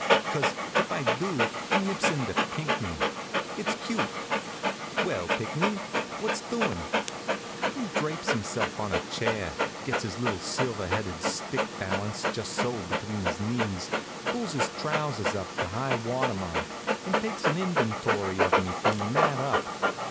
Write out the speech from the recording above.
"Cause if I do I nips onto Pinckney it's cute. Well, Pinckney, what's doing?" He drapes himself on a chair, gets his little silver headed stick balanced just so between his knees, pulls his trousers up to high water mark, and takes an inventory of me from the mat up.